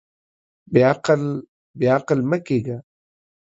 بېعقل، بېعقل مۀ کېږه.